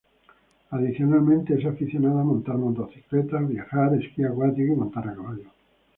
Adicionalmente es aficionada a montar motocicletas, viajar, esquí acuático y montar a caballo.